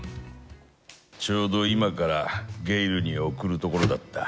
ちょうど今からゲイルに送るとこだった。